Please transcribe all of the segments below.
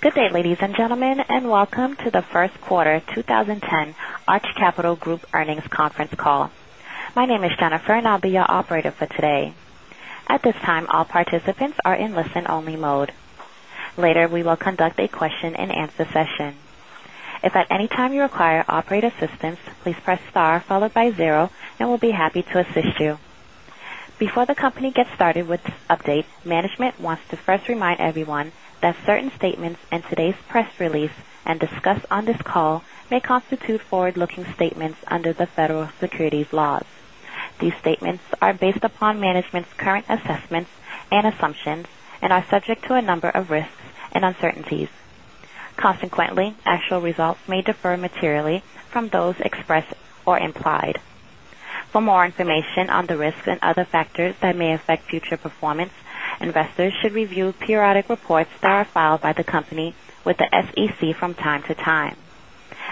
Good day, ladies and gentlemen, and welcome to the first quarter 2010 Arch Capital Group earnings conference call. My name is Jennifer, and I'll be your operator for today. At this time, all participants are in listen-only mode. Later, we will conduct a question-and-answer session. If at any time you require operator assistance, please press star followed by zero, and we'll be happy to assist you. Before the company gets started with this update, management wants to first remind everyone that certain statements in today's press release and discussed on this call may constitute forward-looking statements under the federal securities laws. These statements are based upon management's current assessments and assumptions and are subject to a number of risks and uncertainties. Consequently, actual results may differ materially from those expressed or implied. For more information on the risks and other factors that may affect future performance, investors should review periodic reports that are filed by the company with the SEC from time to time.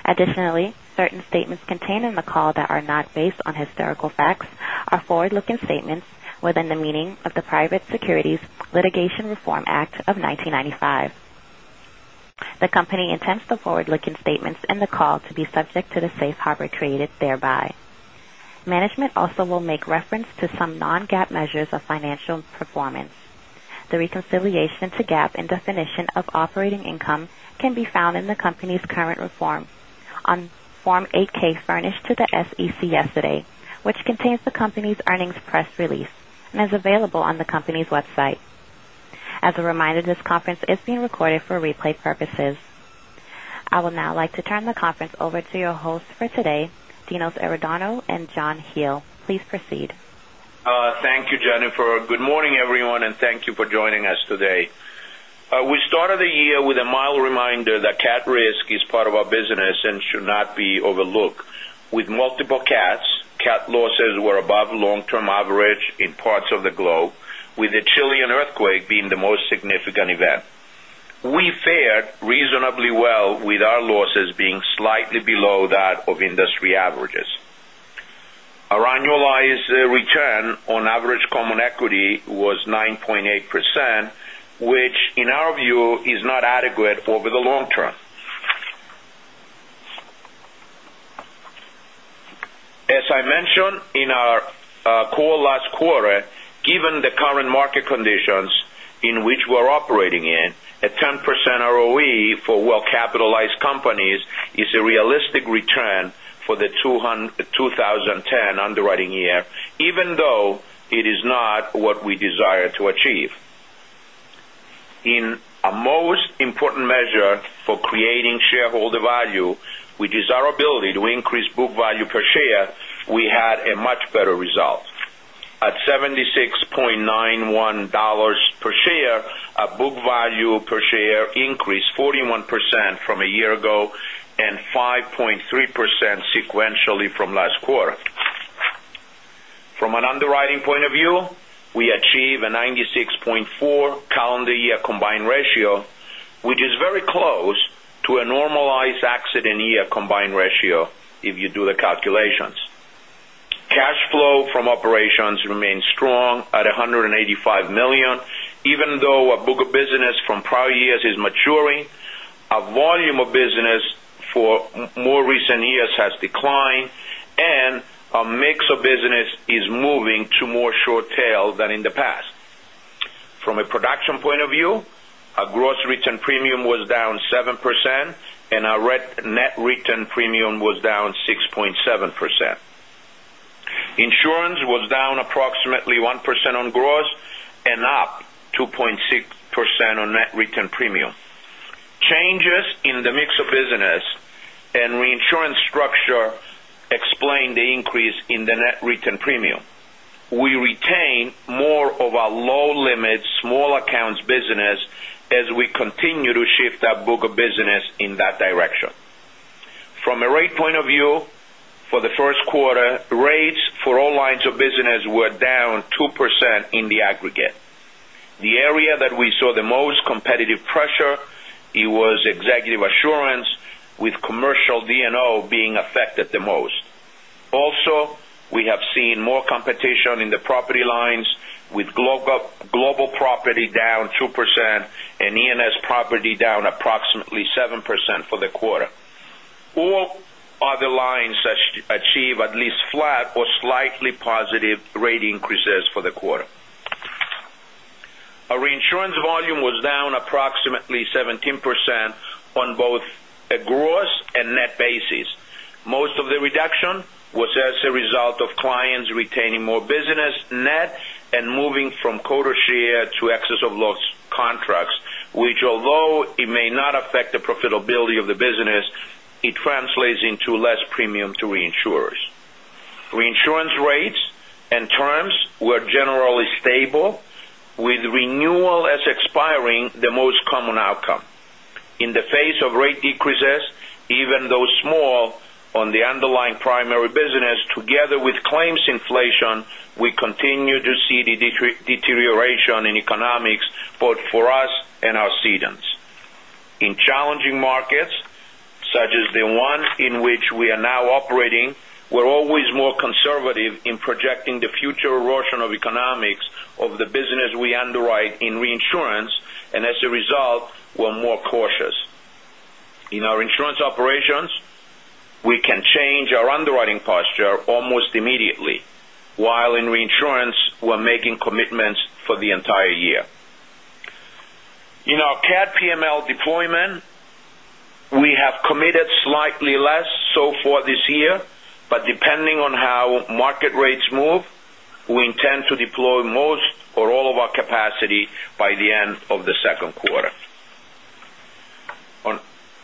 Additionally, certain statements contained in the call that are not based on historical facts are forward-looking statements within the meaning of the Private Securities Litigation Reform Act of 1995. The company intends the forward-looking statements in the call to be subject to the safe harbor created thereby. Management also will make reference to some non-GAAP measures of financial performance. The reconciliation to GAAP and definition of operating income can be found in the company's current report on Form 8-K furnished to the SEC yesterday, which contains the company's earnings press release and is available on the company's website. As a reminder, this conference is being recorded for replay purposes. I would now like to turn the conference over to your hosts for today, Dinos Iordanou and John Hele. Please proceed. Thank you, Jennifer. Good morning, everyone, and thank you for joining us today. We started the year with a mild reminder that cat risk is part of our business and should not be overlooked. With multiple cats, cat losses were above long-term average in parts of the globe, with the Chilean earthquake being the most significant event. We fared reasonably well with our losses being slightly below that of industry averages. Our annualized return on average common equity was 9.8%, which in our view is not adequate over the long term. As I mentioned in our call last quarter, given the current market conditions in which we're operating in, a 10% ROE for well-capitalized companies is a realistic return for the 2010 underwriting year, even though it is not what we desire to achieve. In our most important measure for creating shareholder value, which is our ability to increase book value per share, we had a much better result. At $76.91 per share, our book value per share increased 41% from a year ago and 5.3% sequentially from last quarter. From an underwriting point of view, we achieved a 96.4 calendar year combined ratio, which is very close to a normalized accident year combined ratio if you do the calculations. Cash flow from operations remains strong at $185 million, even though our book of business from prior years is maturing, our volume of business for more recent years has declined, and our mix of business is moving to more short tail than in the past. From a production point of view, our gross written premium was down 7%, and our net written premium was down 6.7%. Insurance was down approximately 1% on gross and up 2.6% on net written premium. Changes in the mix of business and reinsurance structure explain the increase in the net written premium. We retain more of our low-limit small accounts business as we continue to shift that book of business in that direction. From a rate point of view, for the first quarter, rates for all lines of business were down 2% in the aggregate. The area that we saw the most competitive pressure, it was Executive Assurance, with commercial D&O being affected the most. Also, we have seen more competition in the property lines, with global property down 2% and E&S property down approximately 7% for the quarter. All other lines achieve at least flat or slightly positive rate increases for the quarter. Our reinsurance volume was down approximately 17% on both a gross and net basis. Most of the reduction was as a result of clients retaining more business net and moving from quota share to excess of loss contracts, which although it may not affect the profitability of the business, it translates into less premium to reinsurers. Reinsurance rates and terms were generally stable, with renewal as expiring the most common outcome. In the face of rate decreases, even though small on the underlying primary business, together with claims inflation, we continue to see the deterioration in economics both for us and our cedents. In challenging markets Is the one in which we are now operating. We're always more conservative in projecting the future erosion of economics of the business we underwrite in reinsurance, and as a result, we're more cautious. In our insurance operations, we can change our underwriting posture almost immediately, while in reinsurance, we're making commitments for the entire year. In our cat PML deployment, we have committed slightly less so far this year, but depending on how market rates move, we intend to deploy most or all of our capacity by the end of the second quarter.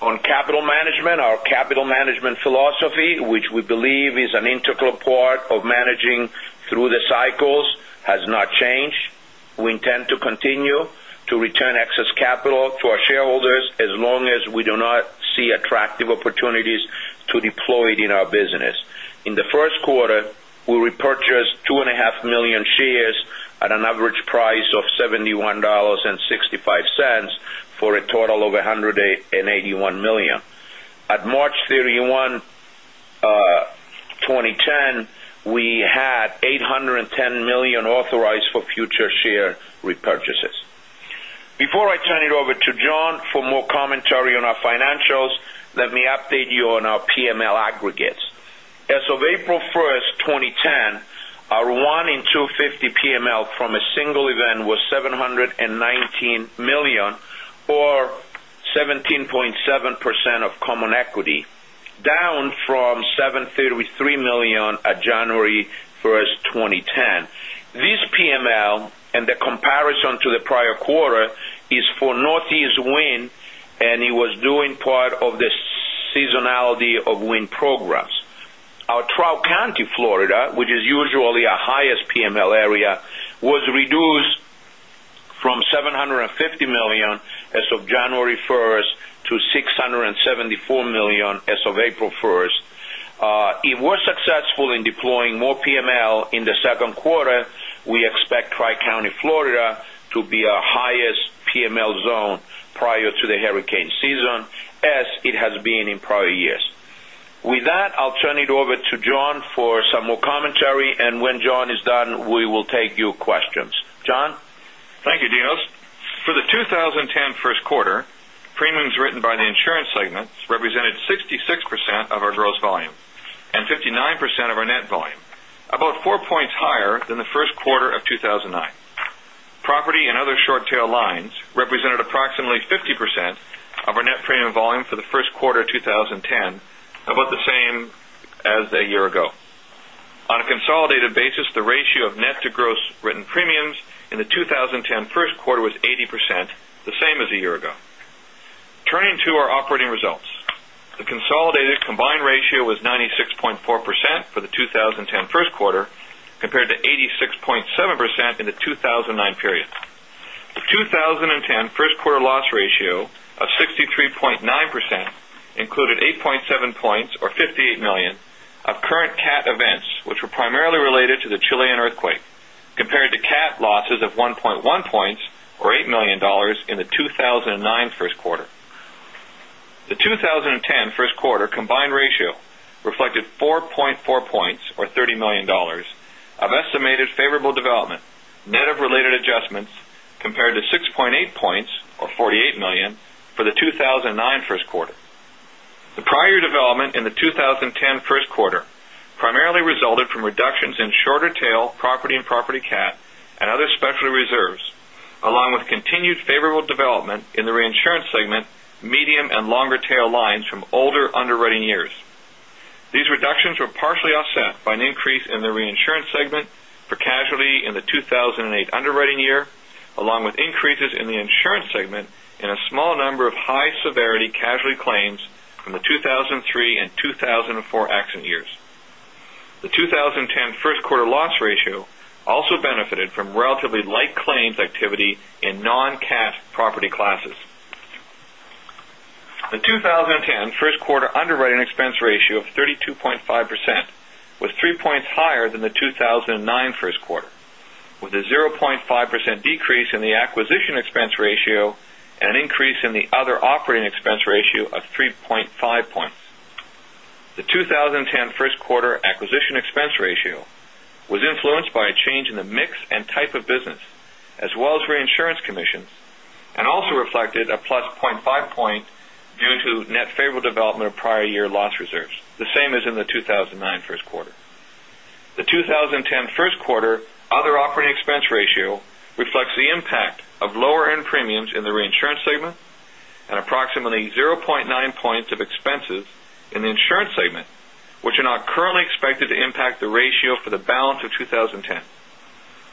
On capital management, our capital management philosophy, which we believe is an integral part of managing through the cycles, has not changed. We intend to continue to return excess capital to our shareholders as long as we do not see attractive opportunities to deploy it in our business. In the first quarter, we repurchased 2.5 million shares at an average price of $71.65 for a total of $181 million. At March 31, 2010, we had $810 million authorized for future share repurchases. Before I turn it over to John for more commentary on our financials, let me update you on our PML aggregates. As of April 1st, 2010, our one in 250 PML from a single event was $719 million or 17.7% of common equity, down from $733 million at January 1st, 2010. This PML and the comparison to the prior quarter is for Northeast wind, and it was due in part to the seasonality of wind programs. Our Tri County, Florida, which is usually our highest PML area, was reduced from $750 million as of January 1st to $674 million as of April 1st. If we're successful in deploying more PML in the second quarter, we expect Tri County, Florida, to be our highest PML zone prior to the hurricane season, as it has been in prior years. With that, I'll turn it over to John for some more commentary, and when John is done, we will take your questions. John? Thank you, Dinos. For the 2010 first quarter, premiums written by the insurance segment represented 66% of our gross volume and 59% of our net volume, about 4 points higher than the first quarter of 2009. Property and other short tail lines represented approximately 50% of our net premium volume for the first quarter 2010, about the same as a year ago. On a consolidated basis, the ratio of net to gross written premiums in the 2010 first quarter was 80%, the same as a year ago. Turning to our operating results, the consolidated combined ratio was 96.4% for the 2010 first quarter, compared to 86.7% in the 2009 period. The 2010 first quarter loss ratio of 63.9% included 8.7 points or $58 million of current cat events, which were primarily related to the Chilean earthquake, compared to cat losses of 1.1 points or $8 million in the 2009 first quarter. The 2010 first quarter combined ratio reflected 4.4 points or $30 million of estimated favorable development, net of related adjustments, compared to 6.8 points or $48 million for the 2009 first quarter. The prior development in the 2010 first quarter primarily resulted from reductions in shorter tail property and property cat and other specialty reserves, along with continued favorable development in the reinsurance segment, medium and longer tail lines from older underwriting years. These reductions were partially offset by an increase in the reinsurance segment for casualty in the 2008 underwriting year, along with increases in the insurance segment in a small number of high severity casualty claims from the 2003 and 2004 accident years. The 2010 first quarter loss ratio also benefited from relatively light claims activity in non-cat property classes. The 2010 first quarter underwriting expense ratio of 32.5% was 3 points higher than the 2009 first quarter, with a 0.5% decrease in the acquisition expense ratio and an increase in the other operating expense ratio of 3.5 points. The 2010 first quarter acquisition expense ratio was influenced by a change in the mix and type of business, as well as reinsurance commissions, and also reflected a +0.5 point due to net favorable development of prior year loss reserves, the same as in the 2009 first quarter. The 2010 first quarter other operating expense ratio reflects the impact of lower earned premiums in the reinsurance segment and approximately 0.9 points of expenses in the insurance segment, which are not currently expected to impact the ratio for the balance of 2010.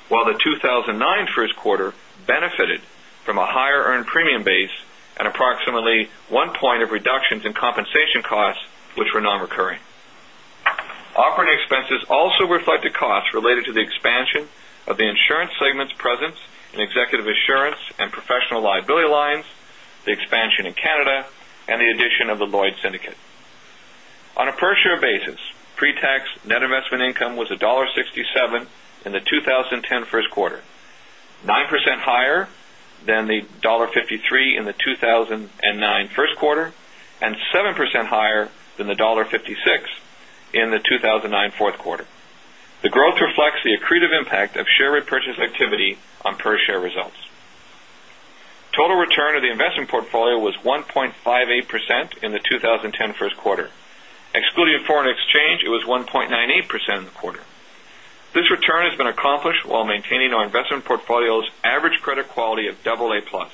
While the 2009 first quarter benefited from a higher earned premium base and approximately one point of reductions in compensation costs, which were non-recurring. Operating expenses also reflected costs related to the expansion of the insurance segment's presence in Executive Assurance and professional liability lines, the expansion in Canada, and the addition of the Lloyd's Syndicate. On a per share basis, pre-tax net investment income was $1.67 in the 2010 first quarter, 9% higher than the $1.53 in the 2009 first quarter, and 7% higher than the $1.56 in the 2009 fourth quarter. The growth reflects the accretive impact of share repurchase activity on per share results. Total return of the investment portfolio was 1.58% in the 2010 first quarter. Excluding foreign exchange, it was 1.98% in the quarter. This return has been accomplished while maintaining our investment portfolio's average credit quality of double A plus.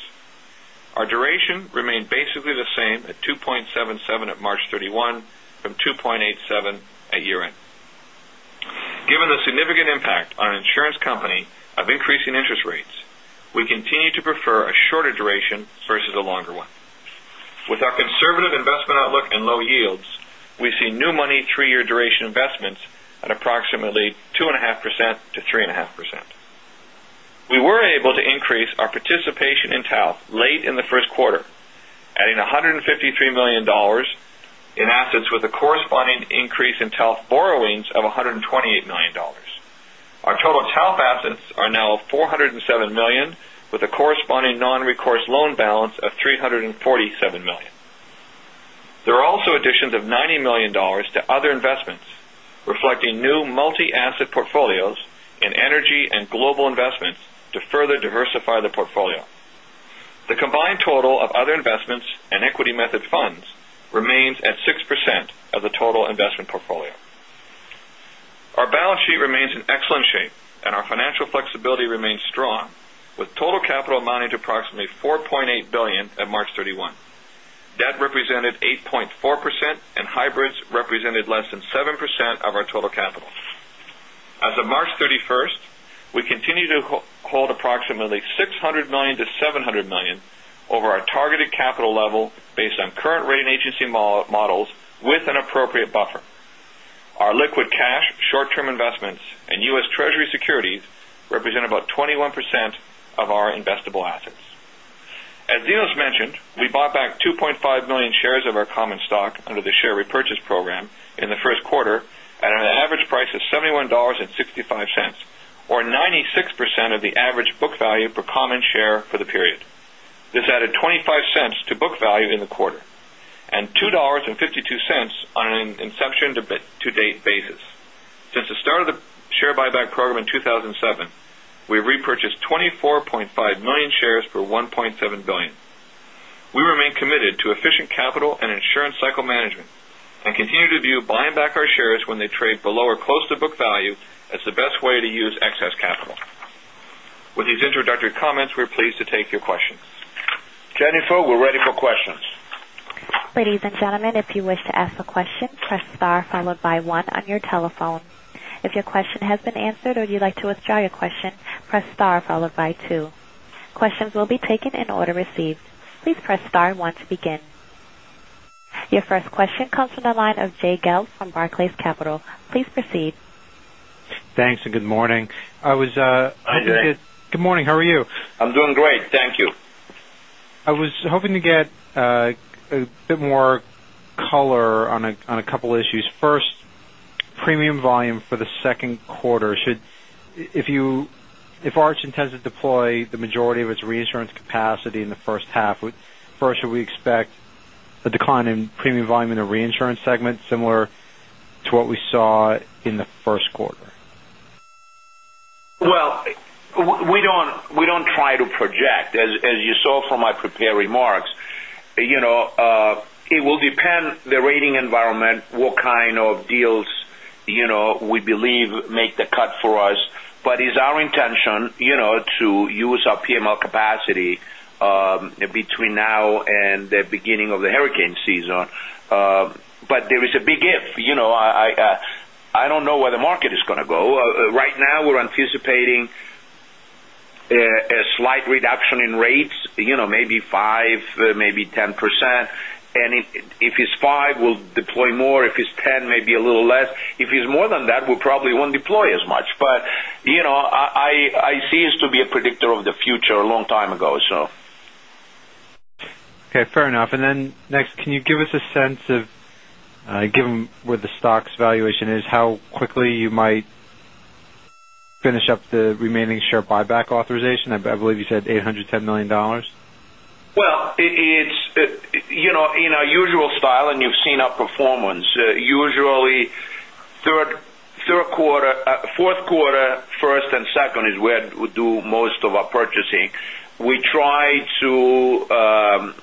Our duration remained basically the same at 2.77 at March 31 from 2.87 at year-end. Given the significant impact on an insurance company of increasing interest rates, we continue to prefer a shorter duration versus a longer one. With our conservative investment outlook and low yields, we see new money three-year duration investments at approximately 2.5%-3.5%. We were able to increase our participation in TALF late in the first quarter, adding $153 million in assets with a corresponding increase in TALF borrowings of $128 million. Our total TALF assets are now $407 million, with a corresponding non-recourse loan balance of $347 million. There are also additions of $90 million to other investments, reflecting new multi-asset portfolios in energy and global investments to further diversify the portfolio. The combined total of other investments and equity method funds remains at 6% of the total investment portfolio. Our balance sheet remains in excellent shape, and our financial flexibility remains strong, with total capital amounting to approximately $4.8 billion at March 31. Debt represented 8.4%, and hybrids represented less than 7% of our total capital. As of March 31st, we continue to hold approximately $600 million-$700 million over our targeted capital level based on current rating agency models with an appropriate buffer. Our liquid cash short-term investments and U.S. Treasury securities represent about 21% of our investable assets. As Dinos mentioned, we bought back 2.5 million shares of our common stock under the share repurchase program in the first quarter at an average price of $71.65, or 96% of the average book value per common share for the period. This added $0.25 to book value in the quarter, and $2.52 on an inception-to-date basis. Since the start of the share buyback program in 2007, we have repurchased 24.5 million shares for $1.7 billion. We remain committed to efficient capital and insurance cycle management and continue to view buying back our shares when they trade below or close to book value as the best way to use excess capital. With these introductory comments, we're pleased to take your questions. Jennifer, we're ready for questions. Ladies and gentlemen, if you wish to ask a question, press star followed by one on your telephone. If your question has been answered or you'd like to withdraw your question, press star followed by two. Questions will be taken in order received. Please press star and one to begin. Your first question comes from the line of Jay Gelb from Barclays Capital. Please proceed. Thanks. Good morning. Hi, Jay. Good morning. How are you? I'm doing great. Thank you. I was hoping to get a bit more color on a couple issues. First, premium volume for the second quarter. If Arch intends to deploy the majority of its reinsurance capacity in the first half, first, should we expect a decline in premium volume in the reinsurance segment, similar to what we saw in the first quarter? Well, we don't try to project. As you saw from my prepared remarks, it will depend the rating environment, what kind of deals we believe make the cut for us. It's our intention to use our PML capacity between now and the beginning of the hurricane season. There is a big if. I don't know where the market is going to go. Right now, we're anticipating a slight reduction in rates, maybe 5%, maybe 10%. If it's 5%, we'll deploy more. If it's 10%, maybe a little less. If it's more than that, we probably won't deploy as much. I ceased to be a predictor of the future a long time ago, so. Okay, fair enough. Next, can you give us a sense of, given where the stock's valuation is, how quickly you might finish up the remaining share buyback authorization? I believe you said $810 million. Well, in our usual style, and you've seen our performance, usually fourth quarter, first, and second is where we do most of our purchasing. We try to ride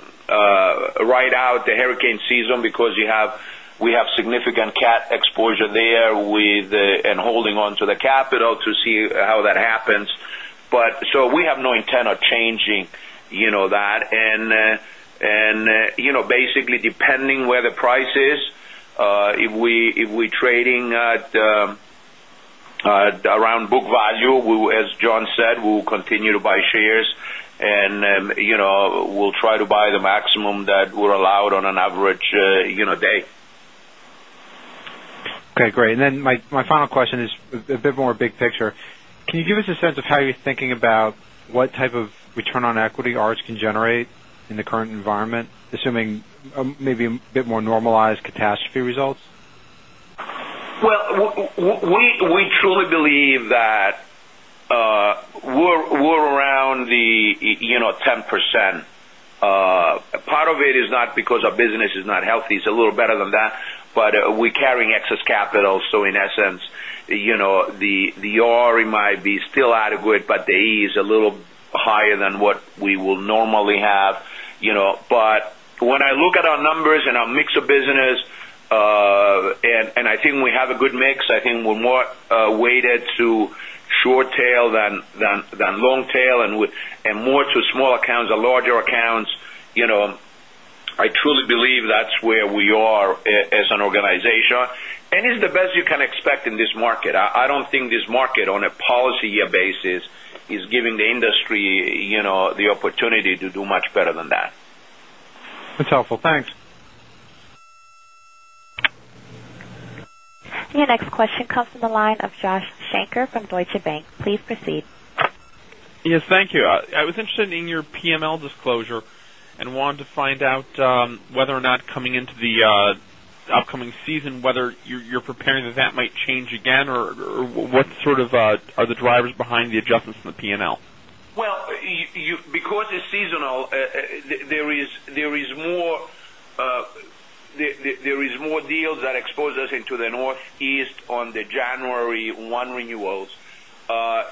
out the hurricane season because we have significant cat exposure there and holding on to the capital to see how that happens. We have no intent of changing that. Basically, depending where the price is, if we're trading at around book value, as John said, we'll continue to buy shares and we'll try to buy the maximum that we're allowed on an average day. Okay, great. My final question is a bit more big picture. Can you give us a sense of how you're thinking about what type of return on equity Arch can generate in the current environment, assuming maybe a bit more normalized catastrophe results? Well, we truly believe that we're around the 10%. Part of it is not because our business is not healthy, it's a little better than that. We're carrying excess capital. In essence, the ROE might be still adequate, but the E is a little higher than what we will normally have. When I look at our numbers and our mix of business, and I think we have a good mix. I think we're more weighted to short tail than long tail, and more to small accounts than larger accounts. I truly believe that's where we are as an organization, and it's the best you can expect in this market. I don't think this market, on a policy year basis, is giving the industry the opportunity to do much better than that. That's helpful. Thanks. Your next question comes from the line of Joshua Shanker from Deutsche Bank. Please proceed. Yes, thank you. I was interested in your PML disclosure and wanted to find out whether or not coming into the upcoming season, whether you're preparing that might change again, or what sort of are the drivers behind the adjustments in the PML? Well, because it's seasonal, there is more deals that expose us into the Northeast on the January 1 renewals.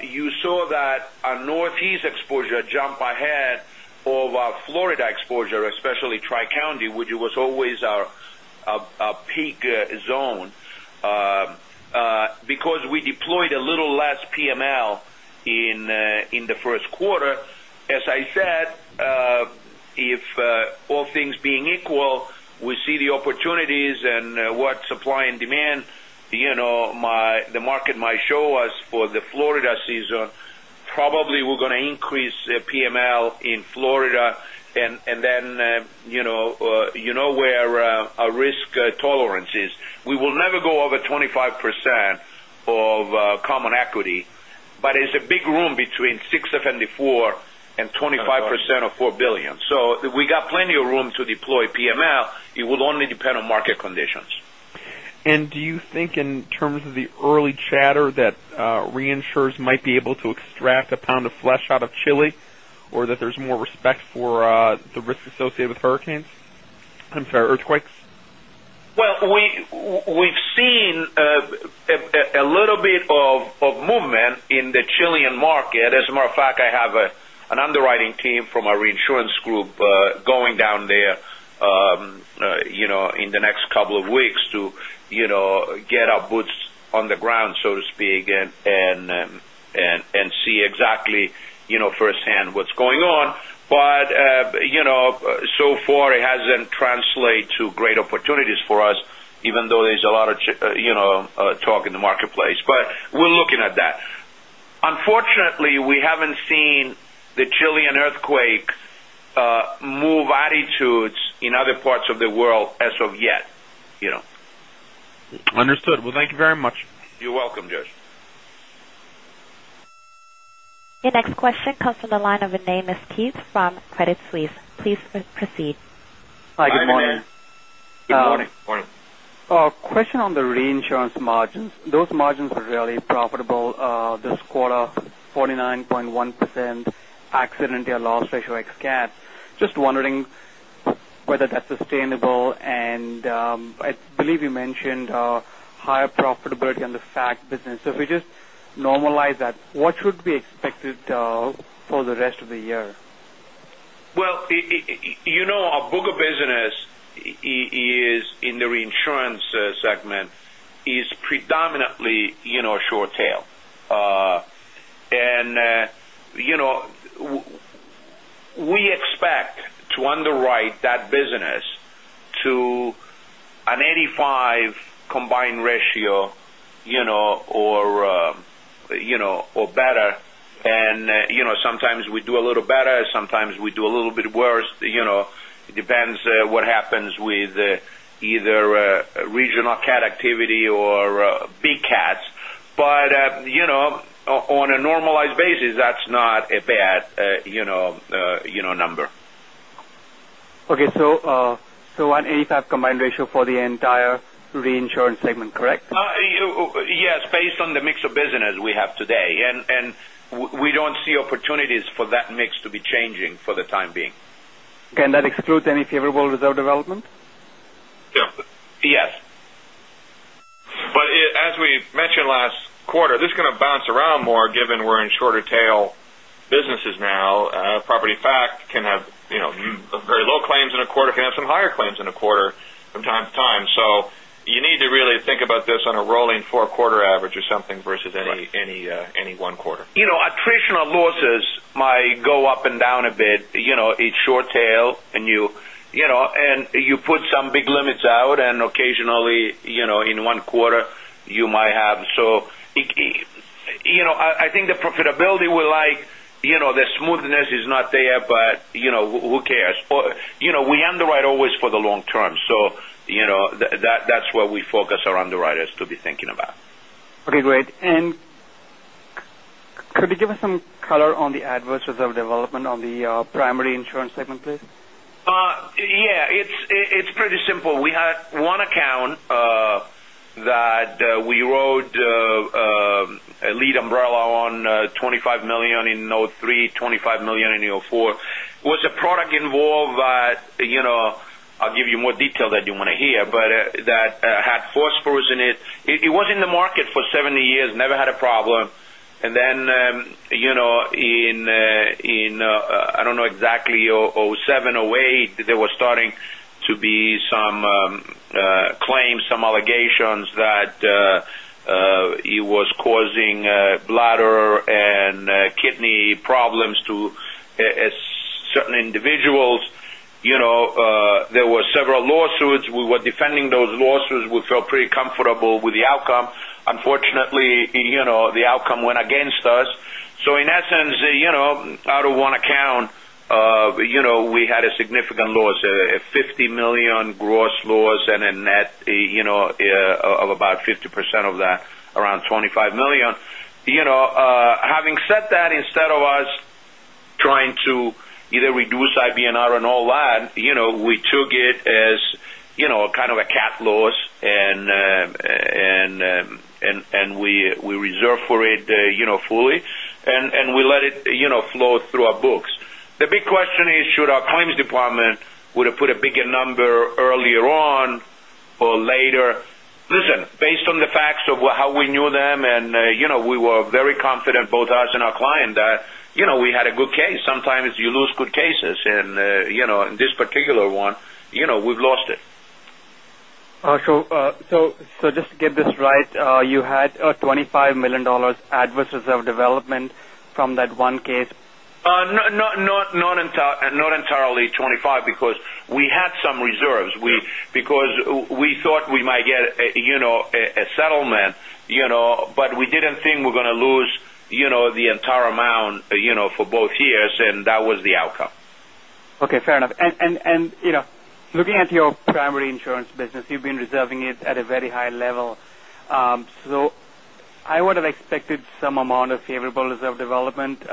You saw that our Northeast exposure jump ahead of our Florida exposure, especially Tri-County, which was always our peak zone. Because we deployed a little less PML in the first quarter. As I said, if all things being equal, we see the opportunities and what supply and demand the market might show us for the Florida season, probably we're going to increase PML in Florida and then, you know where our risk tolerance is. We will never go over 25% of common equity, but it's a big room between six of 74 and 25% of $4 billion. We got plenty of room to deploy PML. It will only depend on market conditions. Do you think in terms of the early chatter that reinsurers might be able to extract a pound of flesh out of Chile, or that there's more respect for the risk associated with hurricanes? I'm sorry, earthquakes. Well, we've seen a little bit of movement in the Chilean market. As a matter of fact, I have an underwriting team from our reinsurance group going down there in the next couple of weeks to get our boots on the ground, so to speak, and see exactly firsthand what's going on. So far, it hasn't translated to great opportunities for us, even though there's a lot of talk in the marketplace. We're looking at that. Unfortunately, we haven't seen the Chilean earthquake move attitudes in other parts of the world as of yet. Understood. Well, thank you very much. You're welcome, Josh. Your next question comes from the line of Anay Musteed from Credit Suisse. Please proceed. Hi, good morning. Good morning. Morning. A question on the reinsurance margins. Those margins are really profitable this quarter, 49.1% accident year loss ratio ex cat. Just wondering whether that's sustainable. I believe you mentioned higher profitability on the fac business. If we just normalize that, what should be expected for the rest of the year? Well, our book of business in the reinsurance segment is predominantly short tail. We expect to underwrite that business to an 85 combined ratio or better. Sometimes we do a little better, sometimes we do a little bit worse. It depends what happens with either regional cat activity or big cats. On a normalized basis, that's not a bad number. Okay. An 85 combined ratio for the entire reinsurance segment, correct? Yes. Based on the mix of business we have today. We don't see opportunities for that mix to be changing for the time being. Can that exclude any favorable reserve development? Yes. As we mentioned last quarter, this is going to bounce around more given we're in shorter tail businesses now. Property cat can have very low claims in a quarter, can have some higher claims in a quarter from time to time. You need to really think about this on a rolling four-quarter average or something versus any one quarter. Attribution of losses might go up and down a bit. It's short tail, and you put some big limits out, and occasionally, in one quarter, you might have. I think the profitability we like. The smoothness is not there, but who cares? We underwrite always for the long term. That's where we focus our underwriters to be thinking about. Okay, great. Could you give us some color on the adverse reserve development on the primary insurance segment, please? Yeah. It's pretty simple. We had one account that we wrote a lead umbrella on $25 million in 2003, $25 million in 2004. It was a product involved that, I'll give you more detail that you want to hear, but that had phosphorus in it. It was in the market for 70 years, never had a problem, and then in, I don't know exactly, 2007, 2008, there were starting to be some claims, some allegations that it was causing bladder and kidney problems to certain individuals. There were several lawsuits. We were defending those lawsuits. We felt pretty comfortable with the outcome. Unfortunately, the outcome went against us. In essence, out of one account, we had a significant loss, a $50 million gross loss and a net of about 50% of that, around $25 million. Having said that, instead of us trying to either reduce IBNR and all that, we took it as kind of a cat loss, and we reserved for it fully, and we let it flow through our books. The big question is, should our claims department would have put a bigger number earlier on or later? Listen, based on the facts of how we knew them, and we were very confident, both us and our client, that we had a good case. Sometimes you lose good cases, and in this particular one, we've lost it. Just to get this right, you had a $25 million adverse reserve development from that one case? Not entirely $25 because we had some reserves. Yeah. We thought we might get a settlement, but we didn't think we're going to lose the entire amount for both years, and that was the outcome. Okay, fair enough. Looking at your primary insurance business, you've been reserving it at a very high level. I would have expected some amount of favorable reserve development.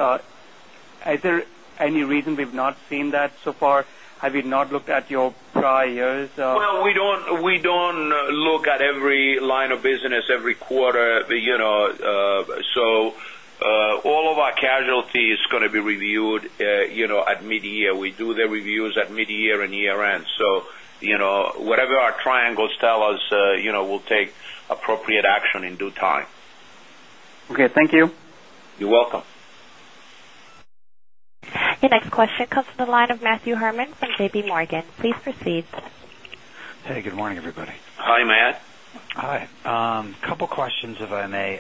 Is there any reason we've not seen that so far? Have we not looked at your prior years? Well, we don't look at every line of business every quarter. All of our casualty is going to be reviewed at mid-year. We do the reviews at mid-year and year-end. Whatever our triangles tell us, we'll take appropriate action in due time. Okay. Thank you. You're welcome. Your next question comes from the line of Matthew Herman from JPMorgan. Please proceed. Hey, good morning, everybody. Hi, Matt. Hi. Couple questions, if I may.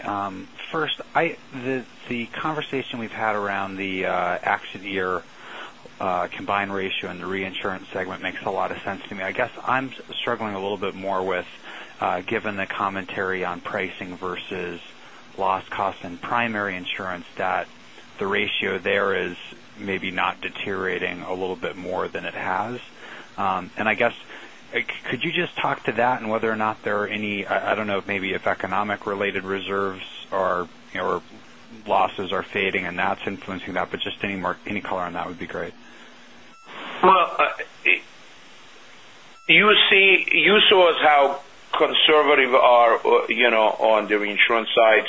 First, the conversation we've had around the accident year combine ratio and the reinsurance segment makes a lot of sense to me. I guess I'm struggling a little bit more with, given the commentary on pricing versus loss cost and primary insurance, that the ratio there is maybe not deteriorating a little bit more than it has. I guess, could you just talk to that and whether or not there are any, I don't know if maybe if economic-related reserves or losses are fading and that's influencing that, but just any color on that would be great. You saw us how conservative on the reinsurance side.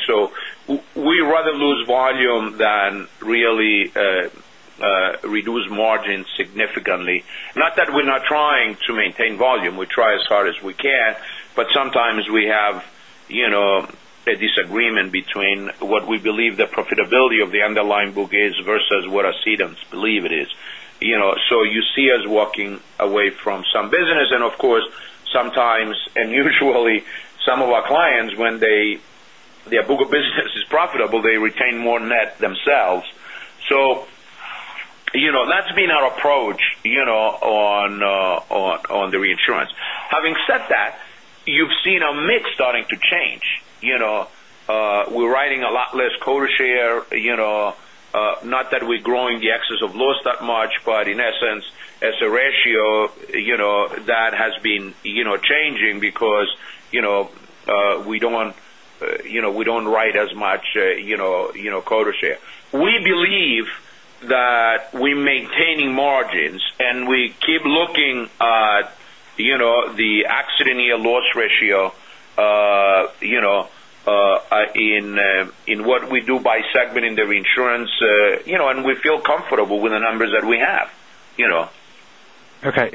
We rather lose volume than really reduce margin significantly. Not that we're not trying to maintain volume. We try as hard as we can, but sometimes we have a disagreement between what we believe the profitability of the underlying book is versus what our cedents believe it is. You see us walking away from some business, and of course, sometimes and usually some of our clients, when their book of business is profitable, they retain more net themselves. That's been our approach on the reinsurance. Having said that, you've seen a mix starting to change. We're writing a lot less quota share. Not that we're growing the excess of loss that much, but in essence, as a ratio, that has been changing because we don't write as much quota share. We believe that we're maintaining margins, and we keep looking at the accident year loss ratio in what we do by segmenting the reinsurance, and we feel comfortable with the numbers that we have. Okay.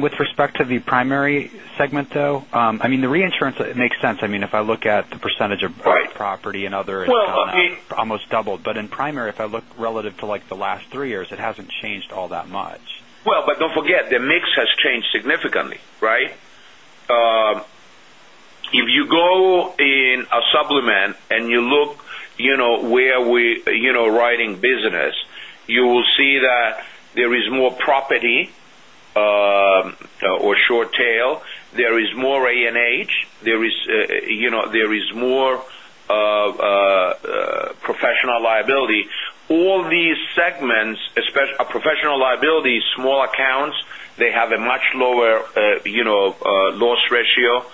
With respect to the primary segment, though, the reinsurance makes sense. If I look at the percentage of Right property and other Well, I mean- it's gone up, almost doubled. In primary, if I look relative to the last three years, it hasn't changed all that much. Well, don't forget, the mix has changed significantly, right? If you go in a supplement and you look where we're writing business, you will see that there is more property, E&S, there is more professional liability. All these segments, professional liability, small accounts, they have a much lower loss ratio.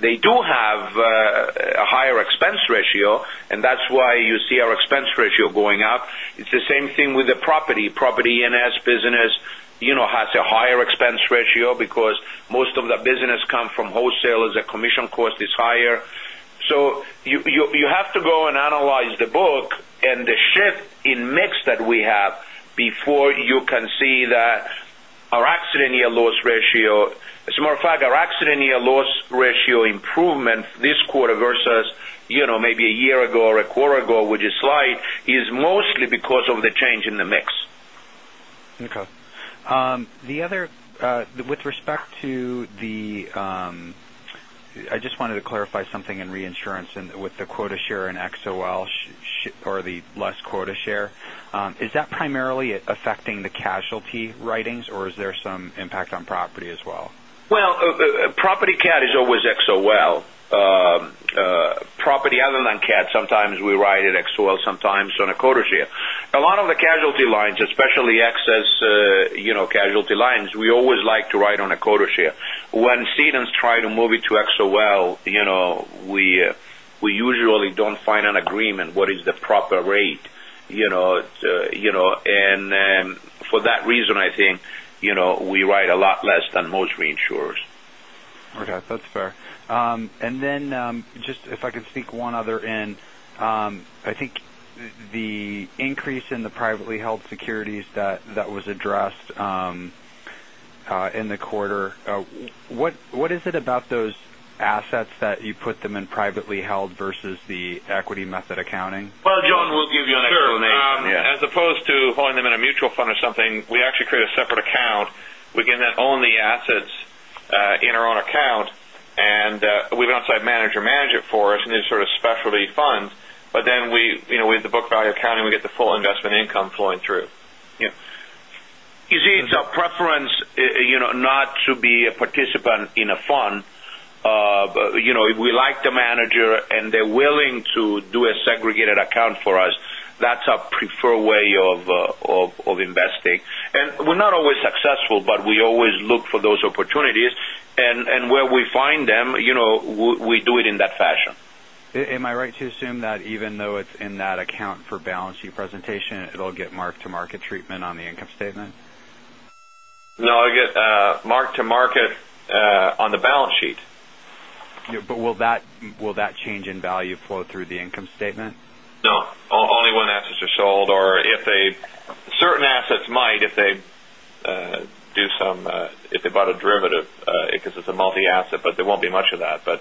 They do have a higher expense ratio, and that's why you see our expense ratio going up. It's the same thing with the property. Property and E&S business has a higher expense ratio because most of the business come from wholesalers. The commission cost is higher. You have to go and analyze the book and the shift in mix that we have before you can see that our accident year loss ratio. As a matter of fact, our accident year loss ratio improvement this quarter versus maybe a year ago or a quarter ago, which is slight, is mostly because of the change in the mix. Okay. I just wanted to clarify something in reinsurance and with the quota share in XOL or the less quota share. Is that primarily affecting the casualty writings or is there some impact on property as well? Well, property CAT is always XOL. Property other than CAT, sometimes we write it XOL, sometimes on a quota share. A lot of the casualty lines, especially excess casualty lines, we always like to write on a quota share. When cedents try to move it to XOL, we usually don't find an agreement what is the proper rate. For that reason, I think, we write a lot less than most reinsurers. Okay, that's fair. Then, just if I could sneak one other in. I think the increase in the privately held securities that was addressed in the quarter, what is it about those assets that you put them in privately held versus the equity method accounting? Well, John will give you an explanation. Sure. As opposed to holding them in a mutual fund or something, we actually create a separate account. We can then own the assets in our own account, and we have an outside manager manage it for us, and these sort of specialty funds. With the book value accounting, we get the full investment income flowing through. Yeah. You see, it's our preference not to be a participant in a fund. If we like the manager and they're willing to do a segregated account for us, that's our preferred way of investing. We're not always successful, but we always look for those opportunities. Where we find them, we do it in that fashion. Am I right to assume that even though it's in that account for balance sheet presentation, it'll get mark-to-market treatment on the income statement? No, it get mark-to-market on the balance sheet. Will that change in value flow through the income statement? No, only when assets are sold or certain assets might if they bought a derivative, because it's a multi-asset, there won't be much of that. The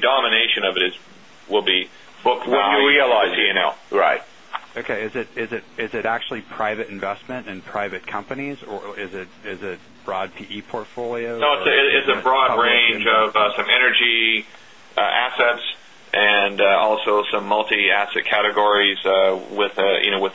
domination of it will be book value. What you realize. P&L. Right. Okay. Is it actually private investment in private companies, or is it broad PE portfolios or- No, it's a broad range of some energy assets and also some multi-asset categories with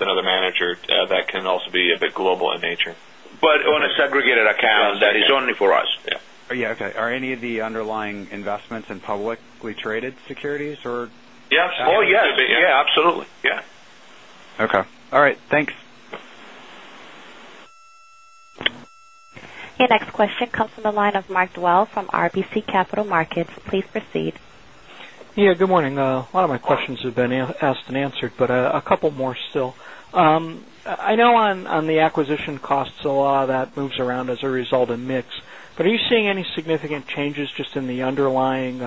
another manager that can also be a bit global in nature. On a segregated account that is only for us. Yeah. Yeah. Okay. Are any of the underlying investments in publicly traded securities or? Yes. Oh, yes. Yeah, absolutely. Yeah. Okay. All right. Thanks. Your next question comes from the line of Mark Dwelle from RBC Capital Markets. Please proceed. Yeah, good morning. A lot of my questions have been asked and answered, a couple more still. I know on the acquisition costs, a lot of that moves around as a result of mix. Are you seeing any significant changes just in the underlying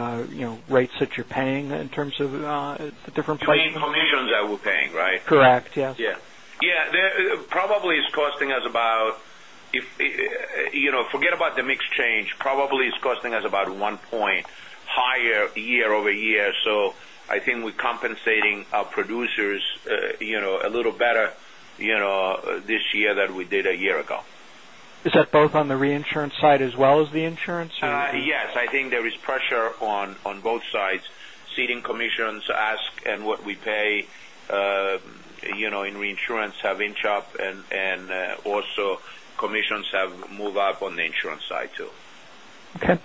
rates that you're paying in terms of the different places? You mean commissions that we're paying, right? Correct. Yes. Yeah. Probably it's costing us about, forget about the mix change, probably it's costing us about one point higher year-over-year. I think we're compensating our producers a little better this year than we did a year ago. Is that both on the reinsurance side as well as the insurance or? Yes, I think there is pressure on both sides. Ceding commissions ask and what we pay in reinsurance have inch up, also commissions have move up on the insurance side, too. Okay.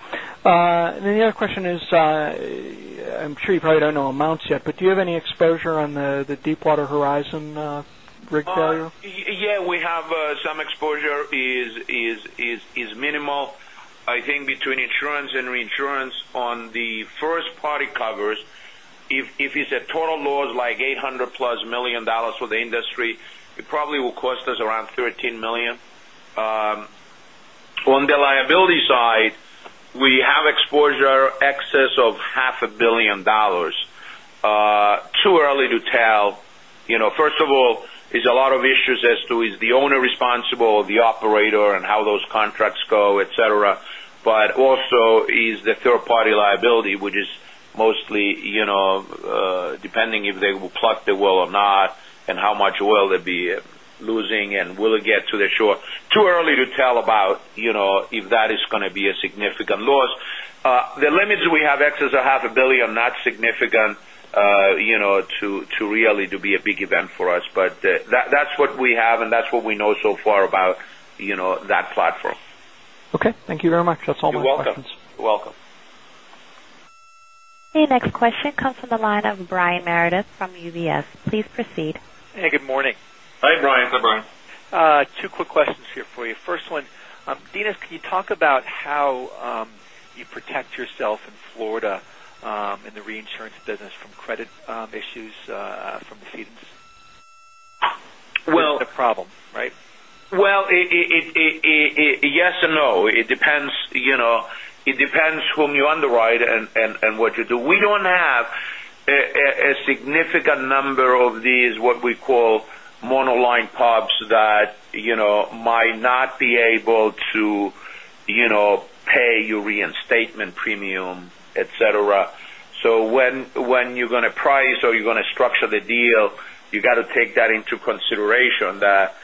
The other question is, I'm sure you probably don't know amounts yet, but do you have any exposure on the Deepwater Horizon rig failure? Yeah. We have some exposure, is minimal. I think between insurance and reinsurance on the first-party covers, if it's a total loss, like $800+ million for the industry, it probably will cost us around $13 million. On the liability side, we have exposure excess of half a billion dollars. Too early to tell. First of all, it's a lot of issues as to is the owner responsible or the operator, and how those contracts go, et cetera. Also is the third-party liability, which is mostly depending if they will plug the well or not and how much oil they'd be losing, and will it get to the shore. Too early to tell about if that is going to be a significant loss. The limits we have excess a half a billion, not significant to really be a big event for us. That's what we have, and that's what we know so far about that platform. Okay. Thank you very much. That's all my questions. You're welcome. The next question comes from the line of Brian Meredith from UBS. Please proceed. Hey, good morning. Hi, Brian. Two quick questions here for you. First one, Dinos, can you talk about how you protect yourself in Florida in the reinsurance business from credit issues from the cedents? Well- Is it a problem, right? Yes and no. It depends whom you underwrite and what you do. We don't have a significant number of these, what we call monoline subs that might not be able to pay you reinstatement premium, et cetera. When you're going to price or you're going to structure the deal, you got to take that into consideration that,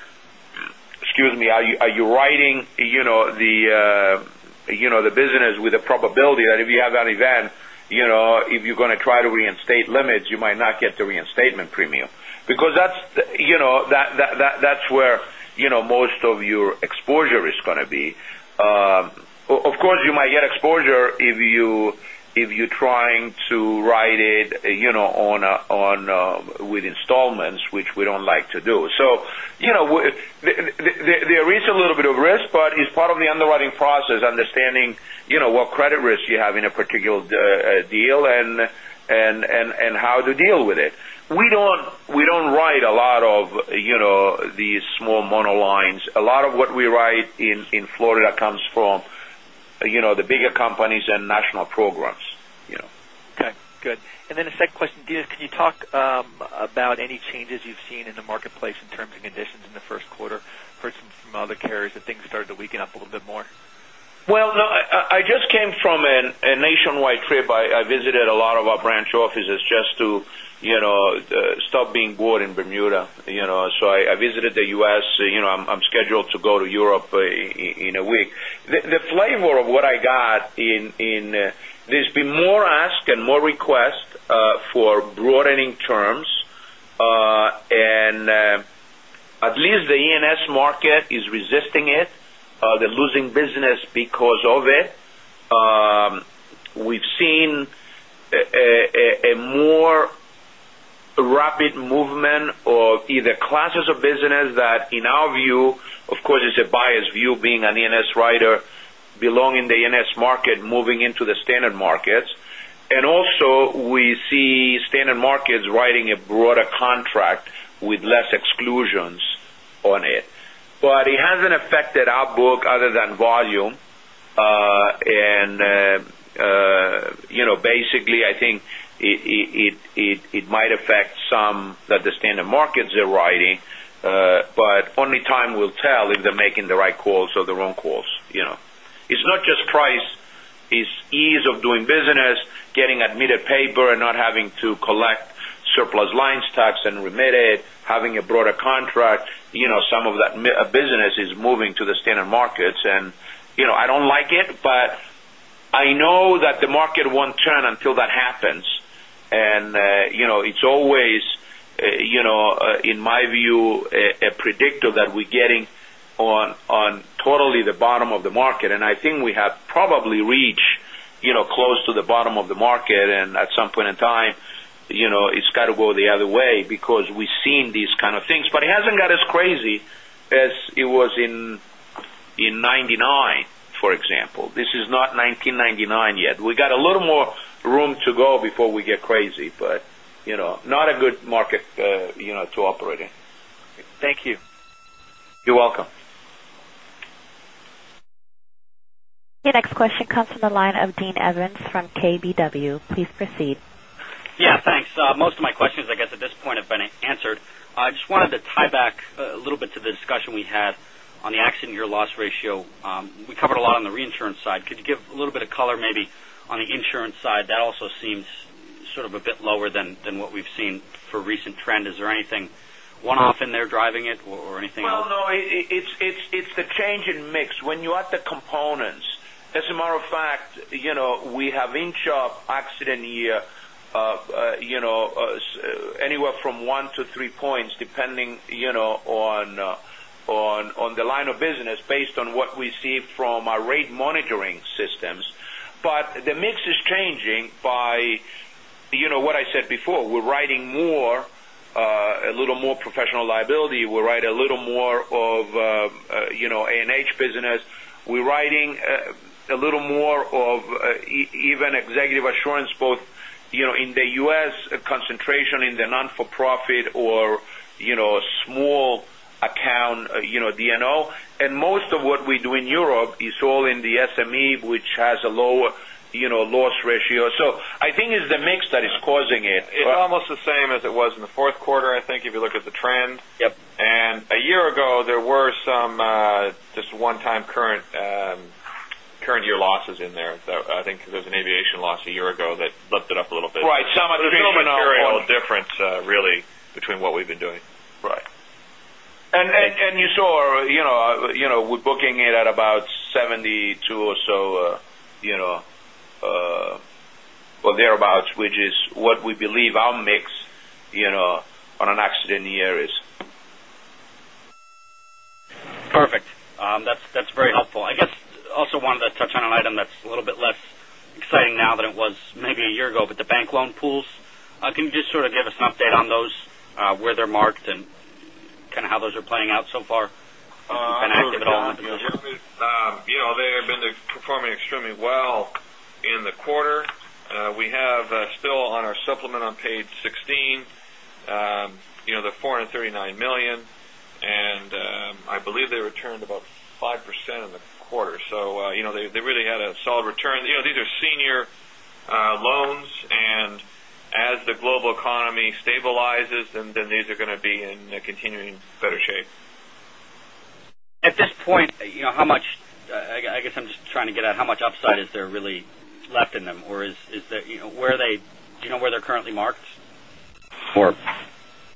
excuse me, are you writing the business with the probability that if you have that event, if you're going to try to reinstate limits, you might not get the reinstatement premium. That's where most of your exposure is going to be. Of course, you might get exposure if you're trying to write it with installments, which we don't like to do. There is a little bit of risk, but it's part of the underwriting process, understanding what credit risk you have in a particular deal and how to deal with it. We don't write a lot of these small monolines. A lot of what we write in Florida comes from the bigger companies and national programs. Okay, good. The second question, Dinos, can you talk about any changes you've seen in the marketplace in terms and conditions in the first quarter? Heard some from other carriers that things started to weaken up a little bit more. No, I just came from a nationwide trip. I visited a lot of our branch offices just to stop being bored in Bermuda. I visited the U.S. I'm scheduled to go to Europe in a week. The flavor of what I got, there's been more ask and more request for broadening terms. At least the E&S market is resisting it. They're losing business because of it. We've seen a more rapid movement of either classes of business that in our view, of course, it's a biased view, being an E&S writer belonging the E&S market moving into the standard markets. Also we see standard markets writing a broader contract with less exclusions on it. It hasn't affected our book other than volume. Basically I think it might affect some that the standard markets are writing. Only time will tell if they're making the right calls or the wrong calls. It's not just price, it's ease of doing business, getting admitted paper and not having to collect surplus lines tax and remit it, having a broader contract. Some of that business is moving to the standard markets. I don't like it, but I know that the market won't turn until that happens. It's always in my view, a predictor that we getting on totally the bottom of the market. I think we have probably reached close to the bottom of the market. At some point in time, it's got to go the other way because we've seen these kind of things. It hasn't got as crazy as it was in 1999, for example. This is not 1999 yet. We got a little more room to go before we get crazy, but not a good market to operate in. Thank you. You're welcome. Your next question comes from the line of Dean Evans from KBW. Please proceed. Yeah, thanks. Most of my questions, I guess at this point, have been answered. I just wanted to tie back a little bit to the discussion we had on the accident year loss ratio. We covered a lot on the reinsurance side. Could you give a little bit of color maybe on the insurance side? That also seems sort of a bit lower than what we've seen for recent trend. Is there anything one-off in there driving it or anything else? Well, no, it's the change in mix. When you add the components, as a matter of fact, we have in-shop accident year anywhere from one to three points, depending on the line of business based on what we see from our rate monitoring systems. The mix is changing by what I said before. We're writing a little more professional liability. We write a little more of A&H business. We're writing a little more of even Executive Assurance, both in the U.S. concentration in the non-for-profit or small account D&O. Most of what we do in Europe is all in the SME, which has a lower loss ratio. I think it's the mix that is causing it. It's almost the same as it was in the fourth quarter, I think, if you look at the trend. Yep. A year ago, there were some just one time current year losses in there. I think there's an aviation loss a year ago that lifted up a little bit. Right. There's no material difference really between what we've been doing. You saw we're booking it at about 72% or so, or thereabout, which is what we believe our mix on an accident year is. Perfect. That's very helpful. I guess also wanted to touch on an item that's a little bit less exciting now than it was maybe a year ago, but the bank loan pools. Can you just sort of give us an update on those, where they're marked and kind of how those are playing out so far? Have you been active at all in the business? They have been performing extremely well in the quarter. We have still on our supplement on page 16, the $439 million, and I believe they returned about 5% in the quarter. They really had a solid return. These are senior loans, and as the global economy stabilizes, then these are going to be in continuing better shape. At this point, I guess I'm just trying to get at how much upside is there really left in them, or do you know where they're currently marked for?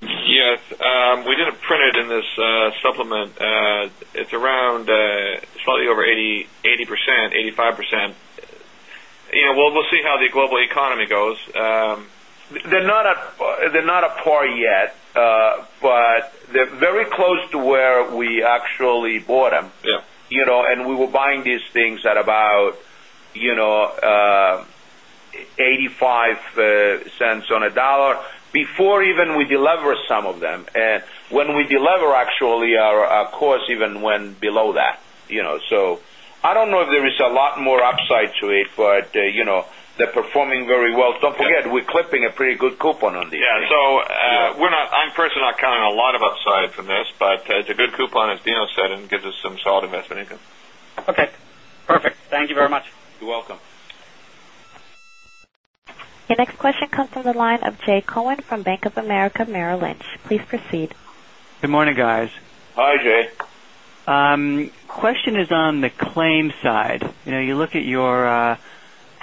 Yes. We didn't print it in this supplement. It's around slightly over 80%, 85%. We'll see how the global economy goes. They're not at par yet. They're very close to where we actually bought them. Yeah. We were buying these things at about $0.85 on a dollar before even we delever some of them. When we delever actually our cost even went below that. I don't know if there is a lot more upside to it, but they're performing very well. Don't forget, we're clipping a pretty good coupon on these. Yeah. I'm personally not counting a lot of upside from this, but it's a good coupon, as Dino said, and gives us some solid investment income. Okay, perfect. Thank you very much. You're welcome. Your next question comes from the line of Jay Cohen from Bank of America Merrill Lynch. Please proceed. Good morning, guys. Hi, Jay. Question is on the claims side. You look at your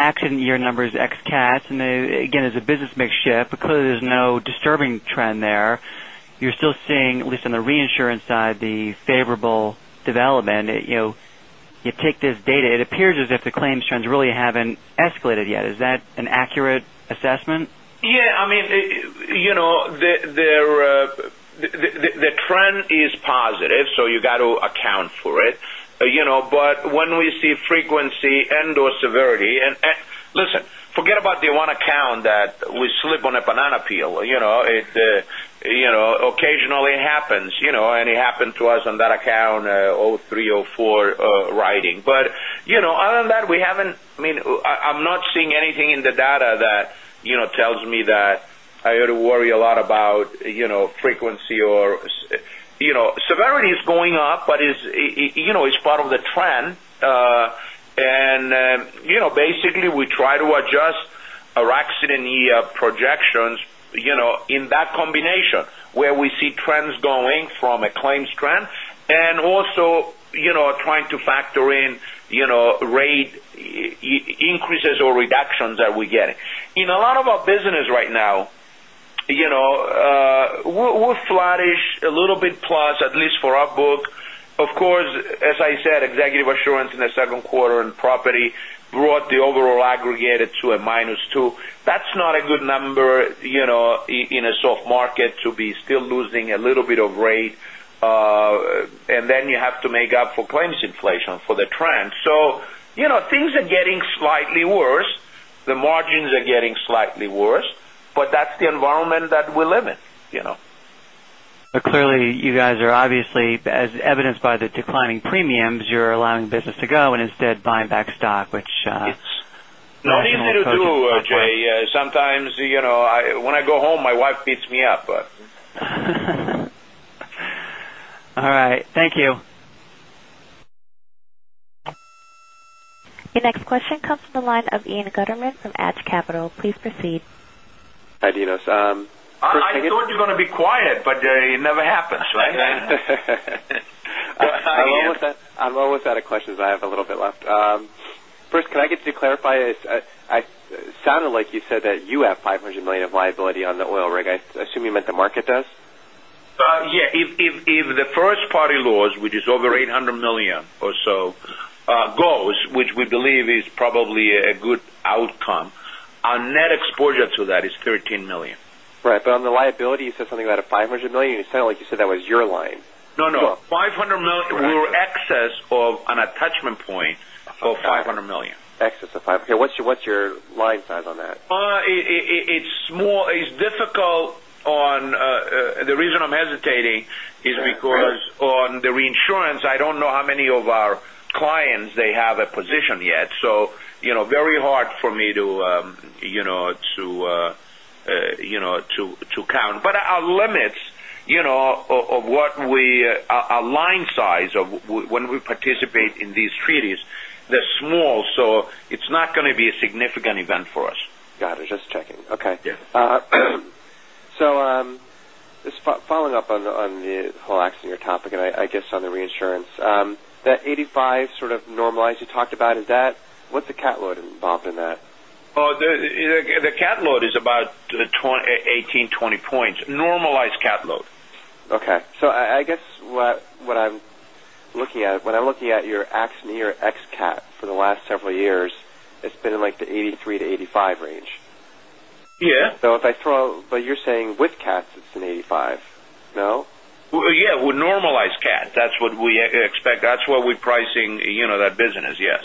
accident year numbers ex cats, and again, as the business mix shift, because there's no disturbing trend there, you're still seeing, at least on the reinsurance side, the favorable development. You take this data, it appears as if the claims trends really haven't escalated yet. Is that an accurate assessment? Yeah. The trend is positive, so you got to account for it. When we see frequency and/or severity, and listen, forget about the one account that we slip on a banana peel. Occasionally it happens, and it happened to us on that account 2003, 2004 writing. Other than that, I'm not seeing anything in the data that tells me that I ought to worry a lot about frequency. Severity is going up, but it's part of the trend. Basically, we try to adjust our accident year projections in that combination, where we see trends going from a claims trend and also trying to factor in rate increases or reductions that we're getting. In a lot of our business right now, we're flattish, a little bit plus, at least for our book. Of course, as I said, Executive Assurance in the second quarter and property brought the overall aggregate to a minus two. That's not a good number in a soft market to be still losing a little bit of rate. Then you have to make up for claims inflation for the trend. Things are getting slightly worse. The margins are getting slightly worse. That's the environment that we live in. Clearly, you guys are obviously, as evidenced by the declining premiums, you're allowing business to go and instead buying back stock. It's- rational approach at this point. No easy to do, Jay. Sometimes, when I go home, my wife beats me up. All right. Thank you. Your next question comes from the line of Ian Gutterman from Adage Capital. Please proceed. Hi, Dino. I thought you're going to be quiet, it never happens, right? First, can I get you to clarify, it sounded like you said that you have $500 million of liability on the oil rig. I assume you meant the market does? Yeah. If the first-party losses, which is over $800 million or so, goes, which we believe is probably a good outcome, our net exposure to that is $13 million. Right. On the liability, you said something about a $500 million. It sounded like you said that was your line. No, no. $500 million were excess of an attachment point of $500 million. Excess of 5. Okay. What's your line size on that? It's difficult. The reason I'm hesitating is because on the reinsurance, I don't know how many of our clients they have a position yet. Very hard for me to count. Our limits of our line size of when we participate in these treaties, they're small, so it's not going to be a significant event for us. Got it. Just checking. Okay. Yeah. Just following up on the whole accident year topic, and I guess on the reinsurance. That 85% sort of normalized you talked about. What's the cat load involved in that? The cat load is about 18, 20 points. Normalized cat load. Okay. I guess what I'm looking at, when I'm looking at your accident year ex-cat for the last several years, it's been in the 83%-85% range. Yeah. You're saying with cats it's an 85, no? Yeah, with normalized cat. That's what we expect. That's what we're pricing that business, yes.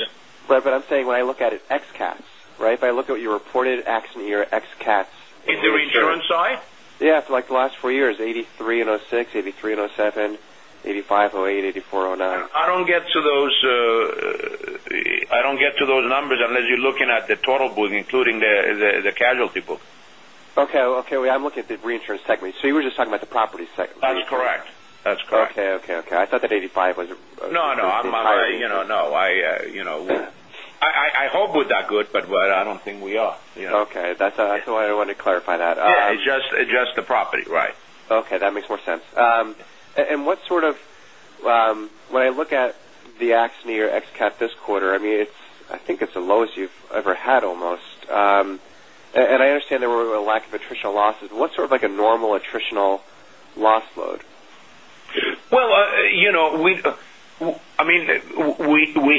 Right. I'm saying when I look at it ex-cats. If I look at your reported accident year ex-cats. In the reinsurance side? Yeah, for the last four years, 83 in 2006, 83 in 2007, 85 2008, 84 2009. I don't get to those numbers unless you're looking at the total book, including the casualty book. Okay. Well, I'm looking at the reinsurance segment. You were just talking about the property segment. That's correct. Okay. I thought that 85 was- No. I hope we're that good, but I don't think we are. Okay. That's why I wanted to clarify that. Yeah. Just the property, right. That makes more sense. When I look at the accident year ex-cat this quarter, I think it's the lowest you've ever had almost. I understand there were a lack of attritional losses. What's a normal attritional loss load? We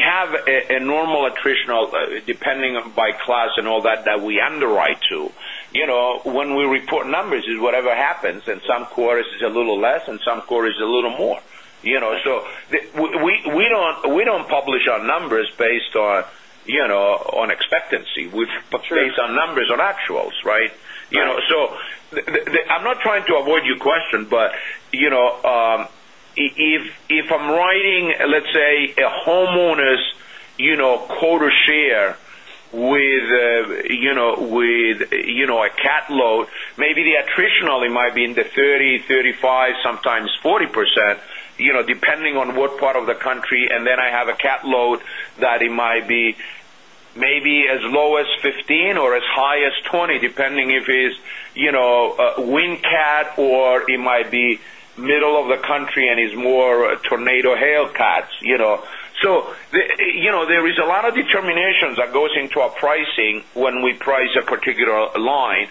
have a normal attritional, depending by class and all that we underwrite to. When we report numbers, it's whatever happens, some quarters is a little less and some quarter is a little more. We don't publish our numbers based on expectancy. Sure. We base our numbers on actuals, right? Right. I'm not trying to avoid your question, if I'm writing, let's say, a homeowner's quota share with a cat load, maybe the attritional, it might be in the 30, 35, sometimes 40%, depending on what part of the country. I have a cat load that it might be maybe as low as 15 or as high as 20, depending if it is wind cat, or it might be middle of the country and it's more tornado hail cats. There is a lot of determinations that goes into our pricing when we price a particular line.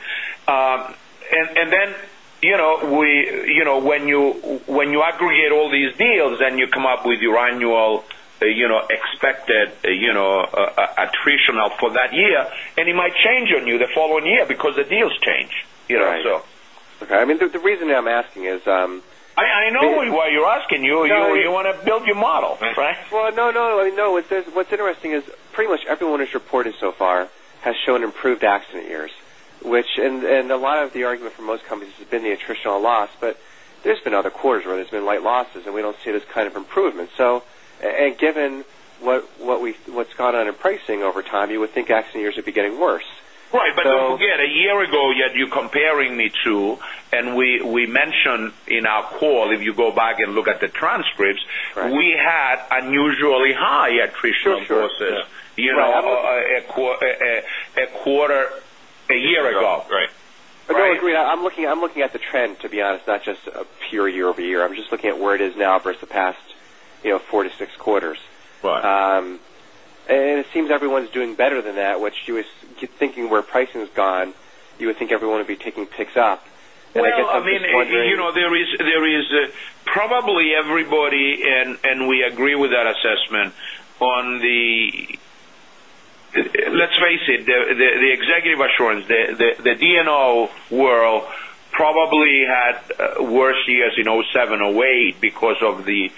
When you aggregate all these deals, you come up with your annual expected attritional for that year. It might change on you the following year because the deals change. Right. Okay. The reason I'm asking is I know why you're asking. You want to build your model, right? Well, no. What's interesting is pretty much everyone who's reported so far has shown improved accident years. A lot of the argument for most companies has been the attritional loss. There's been other quarters where there's been light losses, and we don't see this kind of improvement. Given what's gone on in pricing over time, you would think accident years would be getting worse. Right. Don't forget, a year ago, you're comparing me to, and we mentioned in our call, if you go back and look at the transcripts Right We had unusually high attritional losses a year ago. Right. Agreed. I'm looking at the trend, to be honest, not just a pure year-over-year. I'm just looking at where it is now versus the past four to six quarters. Right. It seems everyone's doing better than that, which you was thinking where pricing has gone, you would think everyone would be taking ticks up. I guess I'm just wondering- There is probably everybody, we agree with that assessment. Let's face it, the Executive Assurance, the D&O world probably had worse years in 2007, 2008 because of the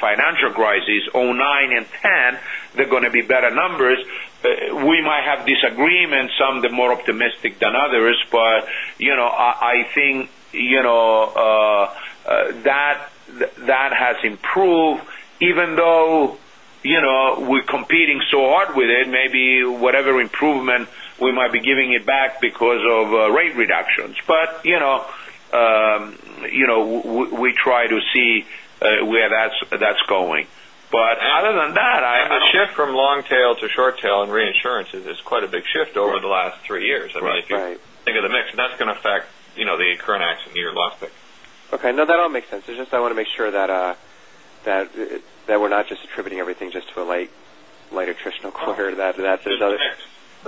financial crisis. 2009 and 2010, they're going to be better numbers. We might have disagreements, some they're more optimistic than others. I think that has improved, even though we're competing so hard with it, maybe whatever improvement we might be giving it back because of rate reductions. We try to see where that's going. Other than that, I- The shift from long tail to short tail in reinsurance is quite a big shift over the last three years. Right. Right. If you think of the mix, that's going to affect the current accident year loss pick. Okay. No, that all makes sense. It's just I want to make sure that we're not just attributing everything just to a light attritional quarter. Just the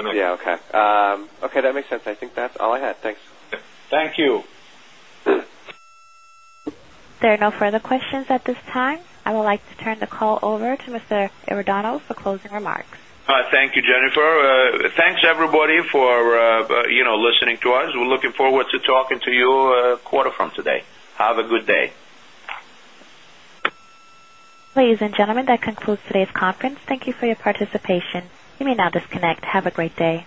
mix. Yeah. Okay. That makes sense. I think that's all I had. Thanks. Thank you. There are no further questions at this time. I would like to turn the call over to Mr. O'Donnell for closing remarks. Thank you, Jennifer. Thanks everybody for listening to us. We're looking forward to talking to you quarter from today. Have a good day. Ladies and gentlemen, that concludes today's conference. Thank you for your participation. You may now disconnect. Have a great day.